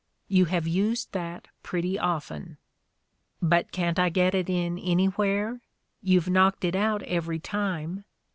You have used that pretty often. But can't I get it in ajij/where? You've knocked it out every time.